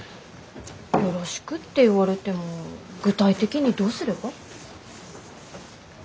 よろしくって言われても具体的にどうすれば？